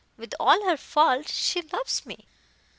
With all her faults, she loves me."